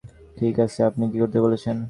ঠিক আছে, আপনি কী করতে বলছেন?